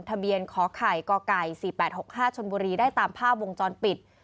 ทะเบียนขอไข่กไก่๔๘๖๕ชนบุรีได้ตามภาพวงจรปิด